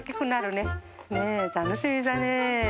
ねぇ楽しみだね。